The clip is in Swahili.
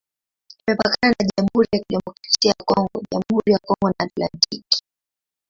Imepakana na Jamhuri ya Kidemokrasia ya Kongo, Jamhuri ya Kongo na Atlantiki.